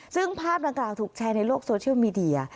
ซึ่งภาพดังกล่าวถูกแชร์ในโลกโซเชียลมีเดีย